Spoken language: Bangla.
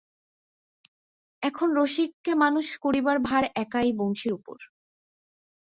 এখন রসিককে মানুষ করিবার ভার একা এই বংশীর উপর।